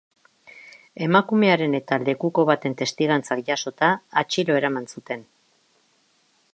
Emakumearen eta lekuko baten testigantzak jasota, atxilo eraman zuten.